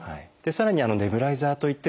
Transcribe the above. さらに「ネブライザー」といってですね